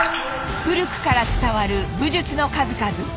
古くから伝わる武術の数々。